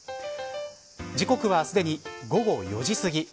時刻は、すでに午後４時すぎ。